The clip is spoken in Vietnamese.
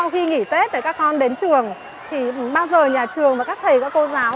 khi nghỉ tết thì các con đến trường thì bao giờ nhà trường và các thầy các cô giáo